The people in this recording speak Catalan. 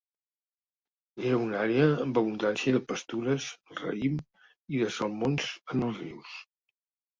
Era una àrea amb abundància de pastures, raïm, i de salmons en els rius.